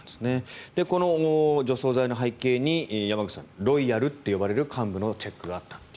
この除草剤の背景に山口さんロイヤルと呼ばれる幹部のチェックがあったと。